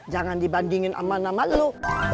jangan dibandingin sama nama lu